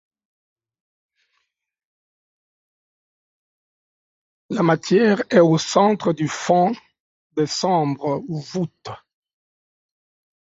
La Matière est au centre, au fond des sombres voûtes